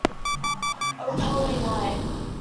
O holy night.